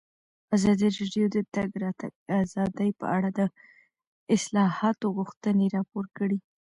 ازادي راډیو د د تګ راتګ ازادي په اړه د اصلاحاتو غوښتنې راپور کړې.